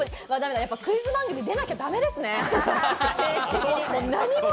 クイズ番組、やっぱり出なきゃだめですね。